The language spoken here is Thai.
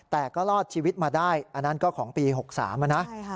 แต่ก็รอดชีวิตมาได้อันนั้นก็ของปี๖๓นะ